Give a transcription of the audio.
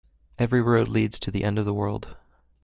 Every road leads to the end of the world.